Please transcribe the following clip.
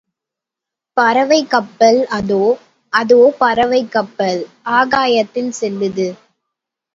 பறவைக் கப்பல் அதோ, அதோ பறவைக் கப்பல், ஆகாயத்தில் செல்லுது!